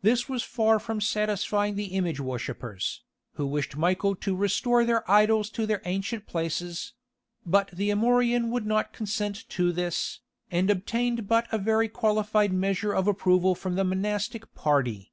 This was far from satisfying the image worshippers, who wished Michael to restore their idols to their ancient places: but the Amorian would not consent to this, and obtained but a very qualified measure of approval from the monastic party.